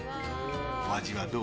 お味はどう？